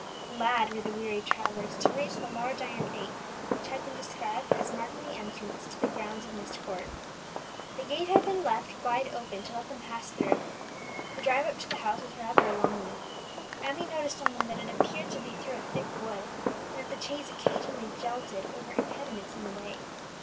Glad were the weary travellers to reach the large iron gate which had been described as marking the entrance to the grounds of Myst Court. The gate had been left wide open to let them pass through. The drive up to the house was rather a long one. Emmie noticed only that it appeared to be through a thick wood, and that the chaise occasionally jolted over impediments in the way.